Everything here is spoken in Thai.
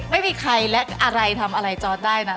ไม่มีใครและอะไรทำอะไรจอร์ดได้นะ